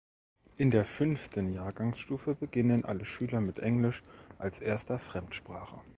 In der fünften Jahrgangsstufe beginnen alle Schüler mit Englisch als erster Fremdsprache.